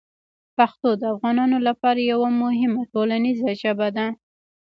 پښتو د افغانانو لپاره یوه مهمه ټولنیزه ژبه ده.